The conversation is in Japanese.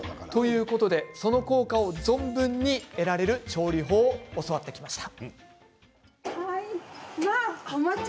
その効果を存分に得られる調理法を教わってきました。